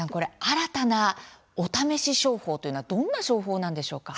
新たなお試し商法というのはどんな商法なんでしょうか。